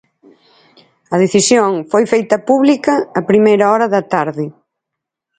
A decisión foi feita pública a primeira hora da tarde.